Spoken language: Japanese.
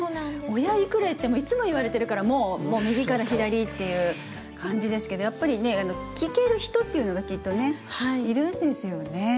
親がいくら言ってもいつも言われてるからもう右から左っていう感じですけどやっぱりね聞ける人っていうのがきっとねいるんですよね